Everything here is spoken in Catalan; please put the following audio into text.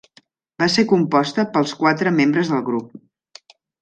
Va ser composta pels quatre membres del grup.